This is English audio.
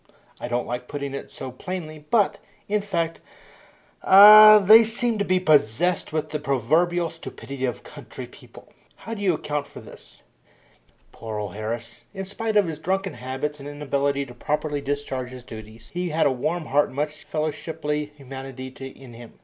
I don't like putting it so plainly, but, in fact, ah, they seem to be possessed with the proverbial stupidity of country people. How do you account for this?" Poor old Harris! In spite of his drunken habits and inability to properly discharge his duties, he had a warm heart and much fellowshiply humanity in him.